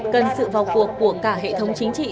cần sự vào cuộc của cả hệ thống chính trị